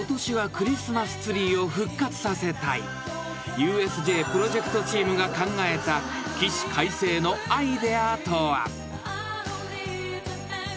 ［ＵＳＪプロジェクトチームが考えた起死回生のアイデアとは］